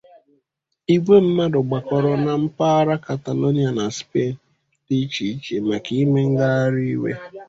igwe mmadụ gbakọrọ na mpaghara Katalonịa na Spen dị ịche ịche maka ịme ngagharị ịwe.